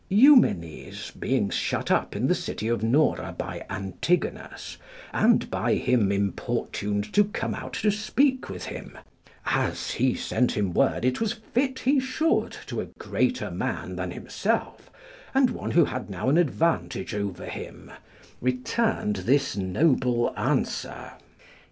Eumenes, being shut up in the city of Nora by Antigonus, and by him importuned to come out to speak with him, as he sent him word it was fit he should to a greater man than himself, and one who had now an advantage over him, returned this noble answer.